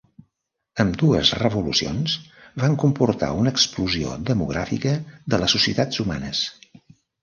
Ambdues revolucions van comportar una explosió demogràfica de les societats humanes.